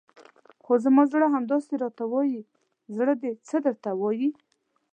خو زما زړه همداسې راته وایي، زړه دې څه درته وایي؟